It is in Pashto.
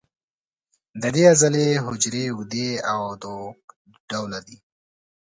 د دې عضلې حجرې اوږدې او دوک ډوله دي.